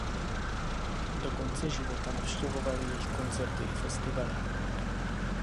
Do konce života navštěvoval jejich koncerty i festivaly.